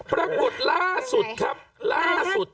ปรากฏล่าสุดครับล่าสุด